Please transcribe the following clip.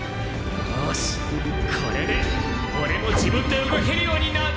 よしこれでオレも自分で動けるようになっ。